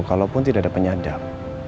kalau pun tidak ada penyadap